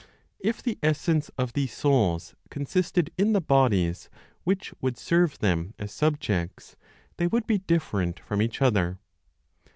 If the essence of these souls consisted in the bodies which would serve them as subjects, they would be different from each other.